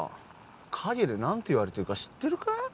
陰で何て言われてるか知ってるか？